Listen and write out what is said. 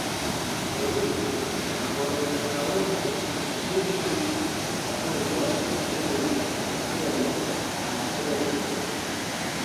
Feliĉe la holokaŭsto evitis la urbon, nur la orgeno malaperis.